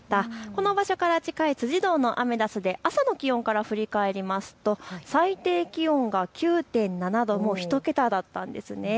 この場所から近い辻堂のアメダスで朝の気温から振り返りますと最低気温が９．７度と１桁台だったんですね。